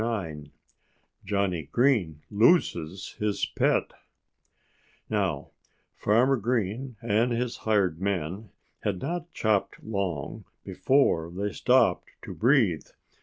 IX JOHNNIE GREEN LOSES HIS PET Now, Farmer Green and his hired man had not chopped long before they stopped to breathe.